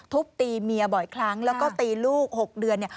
ทุบตีเมียบ่อยครั้งแล้วก็ตีลูก๖เดือนเนี่ย